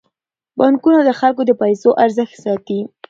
بانکونه د خلکو د پيسو ارزښت ساتي.